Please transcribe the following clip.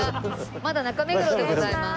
まだ中目黒でございます。